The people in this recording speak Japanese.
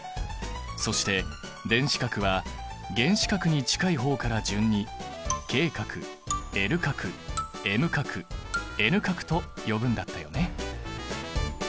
そして電子殻は原子核に近い方から順にＫ殻Ｌ殻Ｍ殻Ｎ殻と呼ぶんだったよね。